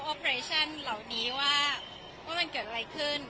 ออปเตอร์เรชั่นเหล่านี้ว่าว่ามันเกิดอะไรขึ้น